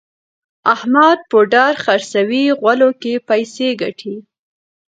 احمد پوډر خرڅوي غولو کې پیسې ګټي.